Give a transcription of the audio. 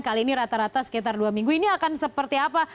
kali ini rata rata sekitar dua minggu ini akan seperti apa